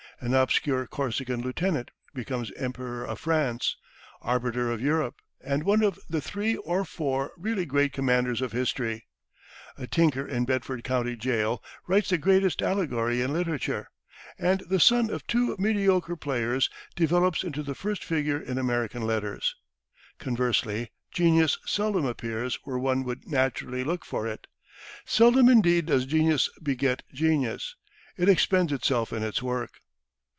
An obscure Corsican lieutenant becomes Emperor of France, arbiter of Europe, and one of the three or four really great commanders of history; a tinker in Bedford County jail writes the greatest allegory in literature; and the son of two mediocre players develops into the first figure in American letters. Conversely, genius seldom appears where one would naturally look for it. Seldom indeed does genius beget genius. It expends itself in its work.